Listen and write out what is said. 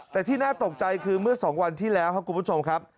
แต่ที่น่าตกใจคือเมื่อ๒วันที่แล้วครับคุณผู้ชมครับ